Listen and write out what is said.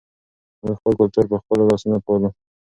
موږ خپل کلتور په خپلو لاسونو پالو.